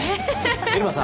テルマさん